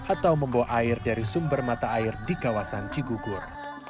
atau membawa air dari sumber mata air di kawasan cikugur